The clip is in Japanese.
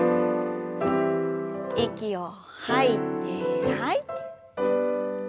息を吐いて吐いて。